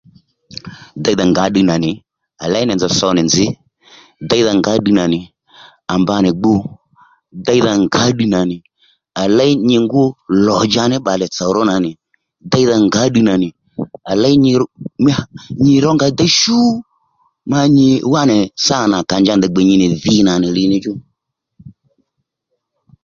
Déydha ngǎ ddiy nà nì à ley nì nzòw so nì nzǐ déydha ngǎ ddiy nà nì à mba nì gbu déydha ngǎ ddiy nà nì à léy nyi ngú lò dja ní bbalè tsò ró na nì déydha ngǎ ddiy nà nì à léy nyi rr mí haa nyi ró nga déy shú ma nyi wá nì sâ nà kà nja ndèy gbè nyi nì dhi nà nì li ní chú